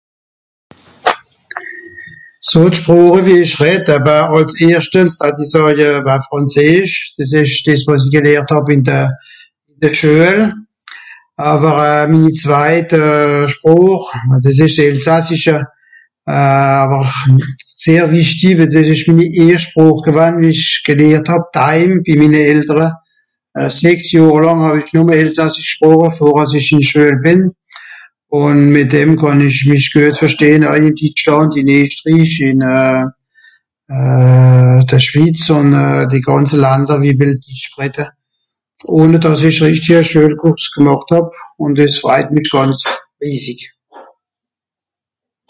So d'Sproche wie ìch redd, ah bah àls erschte datt i sàje bah Frànzeesch, dìs ìsch dìs wàs i gelehrt hàb ìn de... de Schuel, àwer euh... minni zweit Sproch, bah dìs ìsch s'Elsassische euh... àwer, sehr wìchti, wil es ìsch minni erscht Sproch gewann wie ìch gelhert hàb dheim bi minne Eltere. Sechs Johr làng hàw-i nùmme elsassisch gsproche vor àss i ìn d'Schüel bìn. Ùn mìt dem kànn ìch mìch güet vertehn au ìn Ditschlànd ìn Eschtrech, ìn euh... de Schwìtz ùn euh... die gànze Lander wie ditsch redde. Ohne àss i rìchti e Schuelkurs gmàcht hàb ùn dìs freit mich gànz riesig.